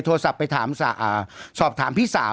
โทรศัพท์ไปถามสอบถามพี่สาว